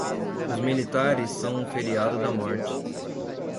Os militares são um feriado da morte.